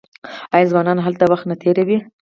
آیا ځوانان هلته وخت نه تیروي؟